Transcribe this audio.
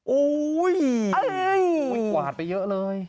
อุ้ยเอ้ยอุ้ยกวาดไปเยอะเลย